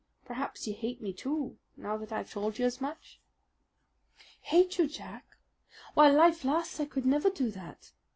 Perhaps you hate me too, now that I've told you as much?" "Hate you, Jack? While life lasts I could never do that!